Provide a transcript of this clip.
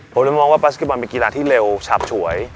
ผมเลยมองว่าบาสเก็ตบอลเป็นกีฬาที่เร็วฉับฉวย